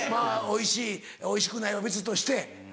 おいしいおいしくないは別として。